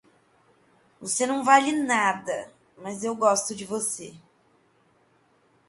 Você não vale nada, mas eu gosto de você